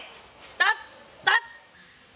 立つ立つ！